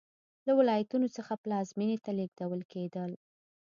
له ولایتونو څخه پلازمېنې ته لېږدول کېدل